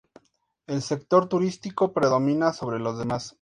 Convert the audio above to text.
El sector turístico predomina sobre los demás.